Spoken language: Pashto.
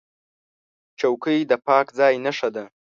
چوکۍ د پاک ځای نښه ده.